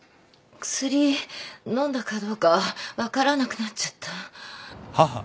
薬飲んだかどうか分からなくなっちゃった。